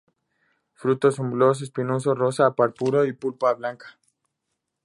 Fruto subgloboso, espinoso, rosa-purpúreo y pulpa blanca.